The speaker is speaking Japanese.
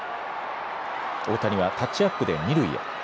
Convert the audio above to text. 大谷はタッチアップで二塁へ。